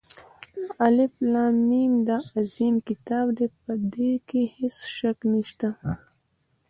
الف لام ، میم دا عظیم كتاب دى، په ده كې هېڅ شك نشته.